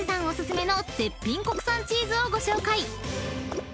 お薦めの絶品国産チーズをご紹介］